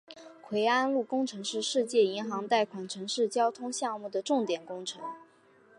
槐安路工程是世界银行贷款城市交通项目的重点工程。